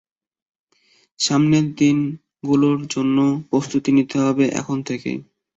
সামনের সেই দিনগুলোর জন্য প্রস্তুতি নিতে হবে এখন থেকেই।